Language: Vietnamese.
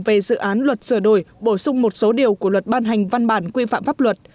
về dự án luật sửa đổi bổ sung một số điều của luật ban hành văn bản quy phạm pháp luật